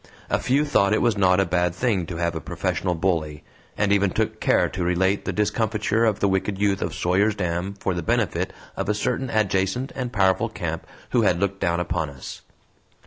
A few thought it was not a bad thing to have a professional bully, and even took care to relate the discomfiture of the wicked youth of Sawyer's Dam for the benefit of a certain adjacent and powerful camp who had looked down upon us.